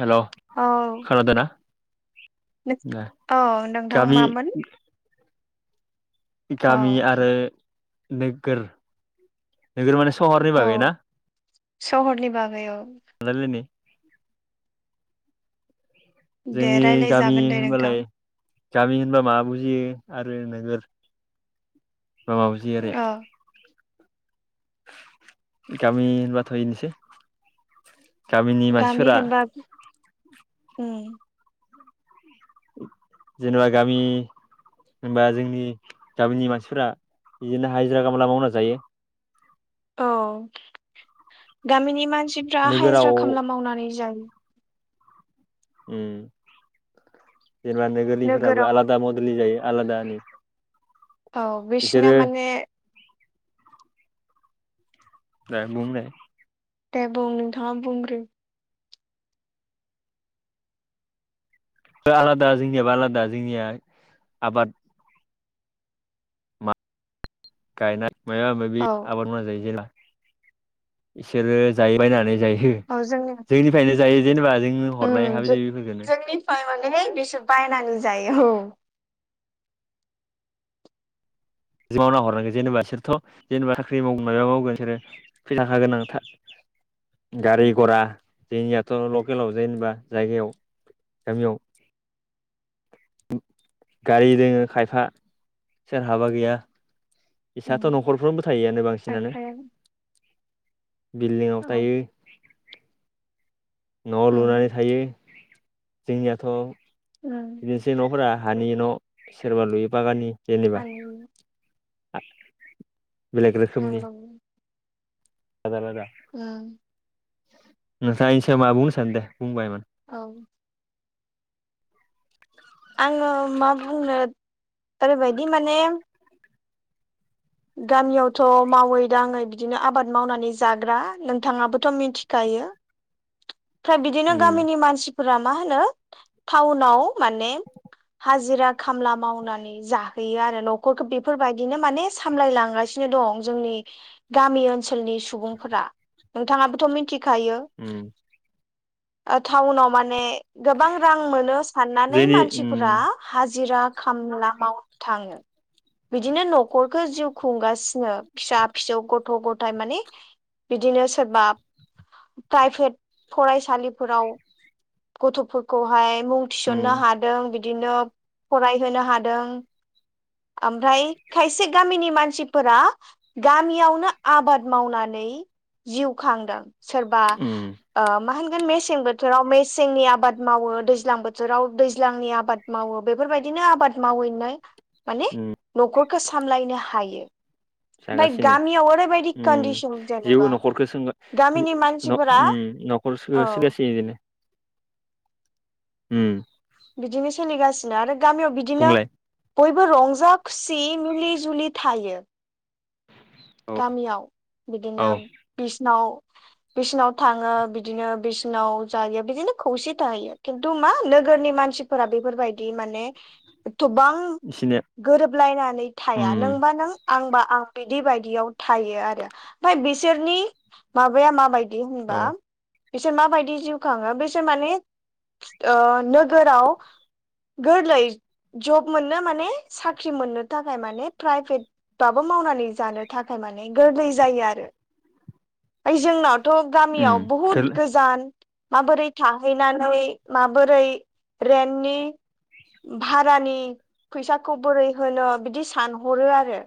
Hello औ खोनादोंना दे औ नोंथां गामि मामोन? औ गामि आरो नोगोर नोगोर माने सहरनि बागै औ ना? सहरनि बागै औ। आरो दे जोंनि गामि रायलायजागोन दे नोंथां होनबालाय गामि होनबा माबा बुजियो आरो नोगोर होनबा मा बुजियो आरो औ गामि बाथा हैनोसै गामिनि मानसिफोरा उ [inaudible] जेनेबा गामि होनबा जोंनि गामिनि मानसिफोरा बिदिनो हाजिरा खामला मावना जायो। औ गामिनि मानसिफ्रा नोगोराव हाजिरा खामला मावनानै जायो। जेनेबा नोगोरलिफोराबो नोगोराव आलादा मडेलनि जायो। आलादानि औ बिसना बिसोरो माने दे गुमनाय दे बुं नोंथाङा बुंग्रो आलादा जोंनियाबो आलादा जोंनिया आबाद मा गायनाय माबा माबि औ आबाद माव जायो जेला इसोरो जायोबायनानै जायो औ जोंनि जोंनिफ्रायनो जायो जेनेबा जोंङ हरनाय हाबि फोरखौनो एनेक बिसोर बायनानै जायो औ। मावना हरनांगोन जेनेबा बिसोरथ जेनेबा साख्रि माव मबा मावगोन बिसोर फैसा थाखा गोनां। गारि गरा जोंनियाथ लकेलाव जेनेबा जायगायाव गामियाव गारि दोङो खायफा सोरहाबा गैया। इसाथ' उम न'खरफ्रनोबो थाहैआनो बांसिनानो खायफाया बिल्डिंआव औ थायो। न'आव लुनानै उम थायो जोंनियाथ' उम बिदिनोसै न'फोरा हानि न' सोरबा लुयो बागाननि जेनेबा आ बेलेग रोखोमनि नांगौ उम नोंसार मा बुंनो सान दे बुंबाय मा औ आंङो मा बुंनो ओरैबायदि माने गामियावथ' मावै दाङै बिदिनो आबाद मावनानै जाग्रा नोंथांङाबोथ' मिथिखायो। [inaudible] ओमफ्राय बिदिनो उम गामिनि मानसिफोरा मा होनो टाउनाव माने हाजिरा खामला मावनानै जाहैयो आरो न'खरखौ बेफोरबायदिनो माने सामलायलांगासिनो दं जोंनि गामि ओनसोलनि सुबुंफोरा। नोंथांङाबोथ' मिथिखायो उम टाउनाव माने गोबां रां मोनो साननानै जोंनि उम मानसिफोरा हाजिरा खला माव थांङो बिदिनो नो न' न'खरखौ जिउ खुंगासिनो फिसा फिसौ गथ' गथाय माने बिदिनो सोरबा प्राइभेट फरायसालिफोराव गथ'फोरखौहाय मुं उम थिसननो हादों बिदिनो फरायहोनो हादों। ओमफ्राय खायसे गामिनि मानसिफोरा गामियावनो आबाद मावनानै जिउ खांदों सोरबा उम मा होन मेसें बोथोराव मेसेंनि आबाद मावो दैज्लां बोथोराव दैज्लांनि आबाद मावो बेफोरबायदि नो आबाद मावैनो माने उम न'खरखौ सामलायनो हायो। [inaudible] ओमफ्राय जागासिनो गामियाव ओरैबायदि उम कन्डिसन जेबो जेनेबा न'खरखौ सों [unintelligible] [unintelligible] गामिनि मानसिफोरा औ बिदिनो सोलिगासिनो आरो गामियाव बिदिनो बुंलाय बयबो रंजा खुसि मुलि जुलि थायो। औ गामियाव औ बिदिनो बिसनाव बिसोरनाव थांङो बिदिनो बिसिनाव जायो बिदिनो खौसे थाहैयो खिन्थु मा नोगोरनि मानसिफोरा बेफोरबायदि माने एथबां इसिनो गोरोबलायनानै थाया उम नोंबा नों आंबा आं बिदि बाय बिदियाव थायो आरो ओमफ्राय बिसोरनि माबाया माबायदि औ होनबा बिसोर माबायदि जिउ खांङो बिसोर माने नोगोराव गोरलै लाय जब मोननो माने साख्रि मोननो थाखाय माने प्राइभेट बाबो मावनानै जानो थाखाय माने गोरलै जायो आरो बा जोंनाव थ' गामियाव उम बहुद थोल गोजान माबोरै थाहैनानै माबोरै रेननि भारानि फैसाखौ बोरै होनो बिदि सानहरो आरो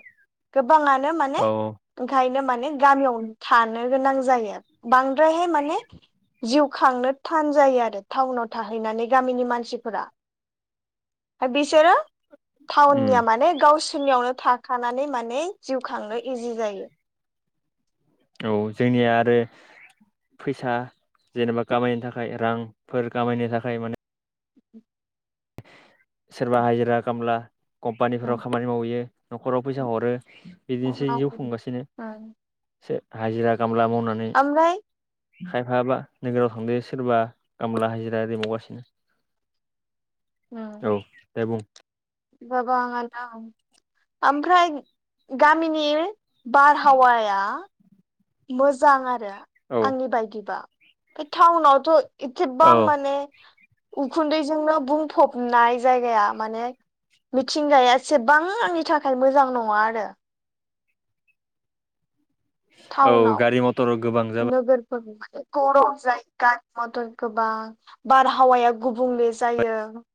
गोबांङानो माने औ ओंखायनो माने माने गामियाव थानो गोनां जायो बांद्रायहाय माने जिउ खांनो थान जायो आरो टाउनाव थाहैनानै गामिनि मानसिफोरा ओ बिसोरो उम टाउननिया माने गावसोरनियावनो थाखानानै माने जिउ खांनो इजि जायो। औ जोंनिया आरो फैसा जेनेबा खामायनो थाखाय रांफोर खामायनो थाखाय माने सोरबा हाजिरा खामला कम्पानिफोराव खामानि मावहैयो न'खराव फैसा हरो बिदिनोसै जिउ खुंगासिनो सो। हाजिरा खामला मावनानै। ओमफ्राय खायफाबा नोगोराव थांदो सोरबा खामला हाजिरा आरोआरि मावगासिनो। [inaudible] औ दे बुं। बाबाङ द ओमफ्राय गामिनि। बारहावाया। मोजां आरो औ आंनि बायदिबा बे टाउनावथ'। एथ'बां माने उखुन्दैजोंनो बुंफबनाय जायगाया माने। मिथिंगाया एसेबां आंनि थाखाय मोजां नङा आरो। औ टाउनाव गारि मथर गोबां नोगोर। गरम जायो गारि मथर गोबां बारहावाया गुबुंले जायो। [inaudible]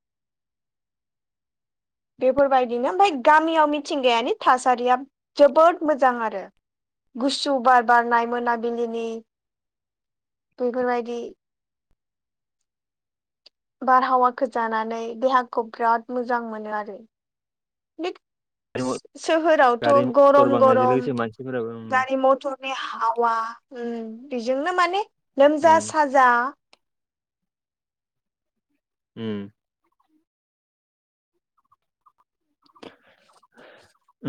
बेफोरबायदिनो ओमफाय गामियामिथिंगायानि थासारिया जोबोद मोजां आरो। गुसु बार बारनाय मोनाबिलिनि बेफोरबायदि। बारहावाखौ जानानै देहाखौ बिराद मोजां मोनो आरो। जाबाय सोहोरावथ' गारि मथर गरम बांनायजों गरम। लोगोसे मानसिफोराबो उम गारि मटरनि हाबा। बेजोंनो माने उम लोमजा साजा। उम।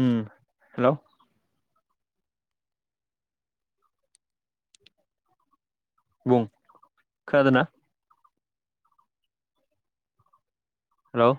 उम हेलौ। बुं खोदोंना। हेलौ।